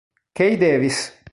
Kai Davis